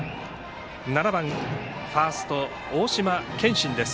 ７番、ファースト大島健真です。